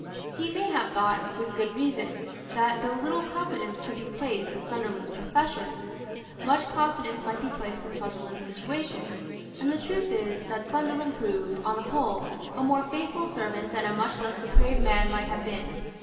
He may have thought, with good reason, that, though little confidence could be placed in Sunderland's professions, much confidence might be placed in Sunderland's situation; and the truth is that Sunderland proved, on the whole, a more faithful servant than a much less depraved man might have been.